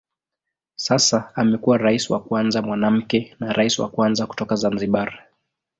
Sasa amekuwa rais wa kwanza mwanamke na rais wa kwanza kutoka Zanzibar.